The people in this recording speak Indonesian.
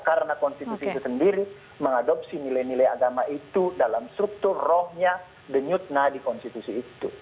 karena konstitusi itu sendiri mengadopsi nilai nilai agama itu dalam struktur rohnya denyutna di konstitusi itu